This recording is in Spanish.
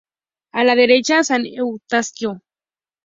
A la derecha, san Eustaquio.